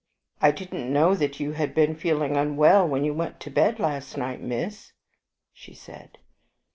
"I didn't know that you had been feeling unwell when you went to bed last night, miss," she said.